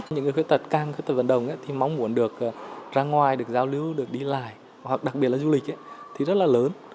những người khuyết tật càng khuyết tật vận động thì mong muốn được ra ngoài được giao lưu được đi lại hoặc đặc biệt là du lịch thì rất là lớn